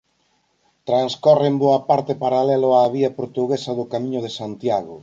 Transcorre en boa parte paralelo á vía portuguesa do Camiño de Santiago.